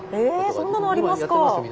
えそんなのありますか。